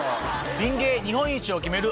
ピン芸日本一を決める